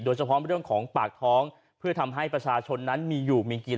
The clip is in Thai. โดยเฉพาะเรื่องของปากท้องเพื่อทำให้ประชาชนนั้นมีอยู่มีกิน